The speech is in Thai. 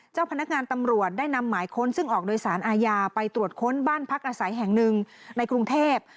เจ้าพนักงานตำรวจได้นำหมายค้นซึ่งออกโดยสารอาญาไปตรวจค้นบ้านพักอาศัยแห่งหนึ่งในกรุงเทพ